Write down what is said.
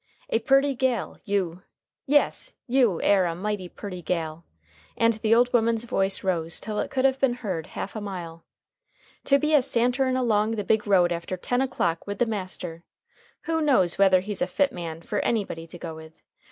"A purty gal! you! Yes! you air a mighty purty gal!" and the old woman's voice rose till it could have been heard half a mile. "To be a santerin' along the big road after ten o'clock with the master! Who knows whether he's a fit man fer anybody to go with?